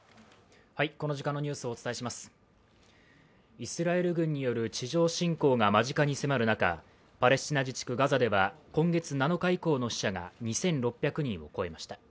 イスラエル軍による地上侵攻が間近に迫る中、パレスチナ自治区ガザで今月７日以降の死者が２６００人を超えました。